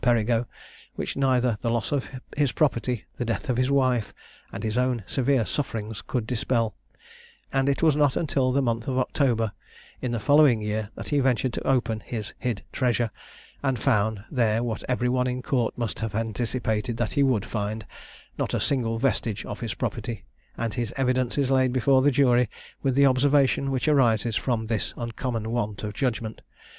Perigo, which neither the loss of his property, the death of his wife, and his own severe sufferings, could dispel; and it was not until the month of October in the following year, that he ventured to open his hid treasure, and found there what every one in court must have anticipated that he would find, not a single vestige of his property; and his evidence is laid before the jury with the observation which arises from this uncommon want of judgment.